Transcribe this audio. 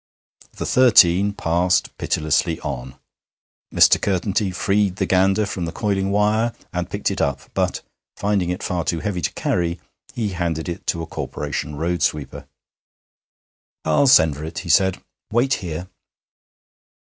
The thirteen passed pitilessly on. Mr. Curtenty freed the gander from the coiling wire, and picked it up, but, finding it far too heavy to carry, he handed it to a Corporation road sweeper. 'I'll send for it,' he said; 'wait here.'